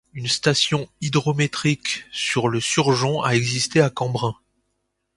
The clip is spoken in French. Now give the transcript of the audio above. Une station hydrométrique sur le Surgeon a existé à Cambrin.